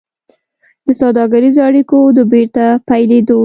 د سوداګريزو اړيکو د بېرته پيلېدو